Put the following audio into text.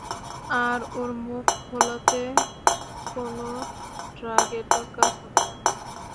আর ওর মুখ খোলাতে কোন ড্রাগের দরকার হবে না।